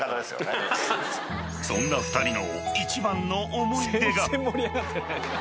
［そんな２人の］